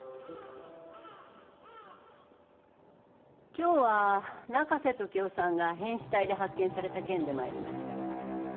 今日は中瀬時雄さんが変死体で発見された件でまいりました。